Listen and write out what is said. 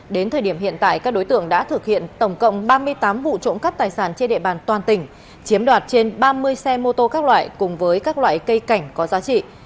đến thời điểm hiện tại các đối tượng đã thực hiện tổng cộng ba mươi tám vụ trộm cắp tài sản trên địa bàn toàn tỉnh chiếm đoạt trên ba mươi xe mô tô các loại cùng với các loại cây cảnh có giá trị